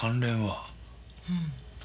うん。